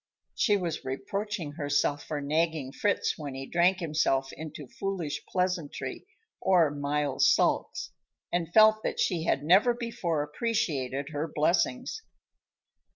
She was reproaching herself for nagging Fritz when he drank himself into foolish pleasantry or mild sulks, and felt that she had never before appreciated her blessings.